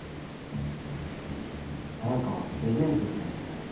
さやかは性善説なんだね。